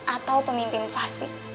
atau pemimpin fasik